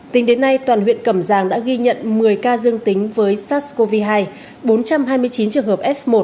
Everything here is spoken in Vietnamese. tính đến nay toàn huyện cẩm giang đã ghi nhận một mươi ca dương tính với sars cov hai bốn trăm hai mươi chín trường hợp f một